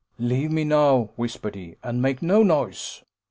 "Leave me now," whispered he, "and make no noise."